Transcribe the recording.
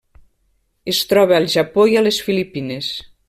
Es troba al Japó i a les Filipines.